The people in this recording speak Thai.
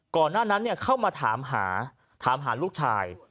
ก่อนหน้านั้นเข้ามาถามหาถามหาลูกชาย